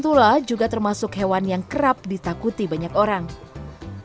bukan hanya penampakannya yang bikin senang tapi juga kemampuan mereka untuk menangkap orang lain